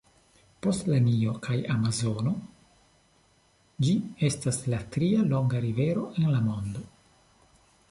Post la Nilo kaj Amazono, ĝi estas la tria longa rivero en la mondo.